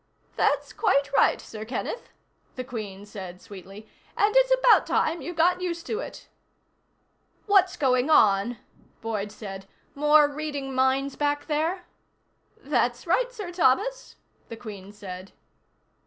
"That's quite right, Sir Kenneth," the Queen said sweetly. "And it's about time you got used to it." "What's going on?" Boyd said. "More reading minds back there?" "That's right, Sir Thomas," the Queen said.